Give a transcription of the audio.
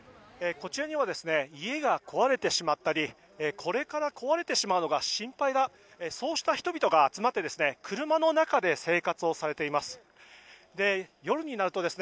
こちらには家が壊れてしまったりこれから壊れてしまうのが心配だそうした人たちが集まって車の中で生活をされています。